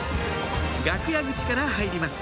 楽屋口から入ります